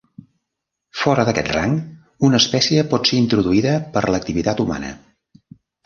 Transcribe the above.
Fora d'aquest rang, una espècie pot ser introduïda per l'activitat humana.